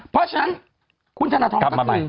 เพราะฉะนั้นคุณธนทรกลับมาไป